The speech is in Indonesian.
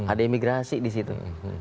ada imigrasi disitu